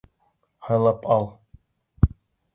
Һайлап ал!